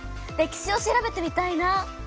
歴史を調べてみたいな。